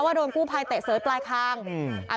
ว่าโดนผู้ไพตะเสิดปลายคางอ่า